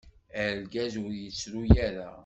Argaz ur yettru ara.